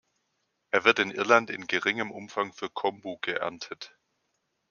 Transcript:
Er wird in Irland in geringem Umfang für Kombu geerntet.